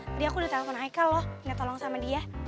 tadi aku udah telepon ike loh udah tolong sama dia